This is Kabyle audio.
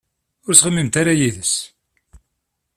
Ur ttɣimimt ara yid-s.